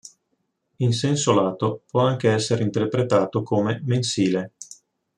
In senso lato, può anche essere interpretato come "mensile".